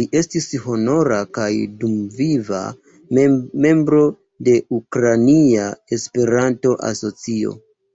Li estas honora kaj dumviva membro de Ukrainia Esperanto-Asocio.